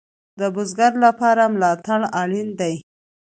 د بزګر لپاره ملاتړ اړین دی